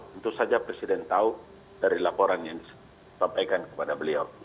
tentu saja presiden tahu dari laporan yang disampaikan kepada beliau